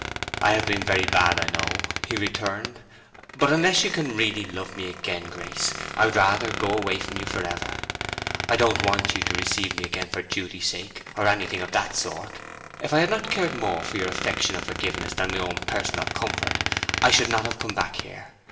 "I have been very bad, I know," he returned. "But unless you can really love me again, Grace, I would rather go away from you forever. I don't want you to receive me again for duty's sake, or anything of that sort. If I had not cared more for your affection and forgiveness than my own personal comfort, I should never have come back here.